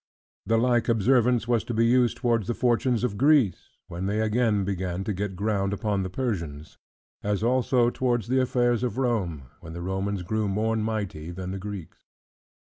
The like observance was to be used towards the fortunes of Greece, when they again began to get ground upon the Persians; as also towards the affairs of Rome, when the Romans grew more mighty than the Greeks.